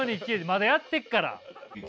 まだやってっから。